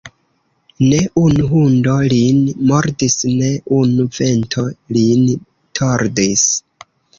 Ne unu hundo lin mordis, ne unu vento lin tordis.